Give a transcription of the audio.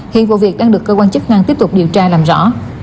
hiện vụ việc đang được cơ quan chức năng tiếp tục điều tra làm rõ